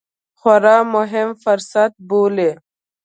خورا مهم فرصت بولي